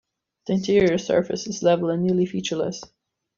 The interior surface is level and nearly featureless.